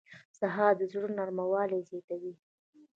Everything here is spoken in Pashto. سهار د زړه نرموالی زیاتوي.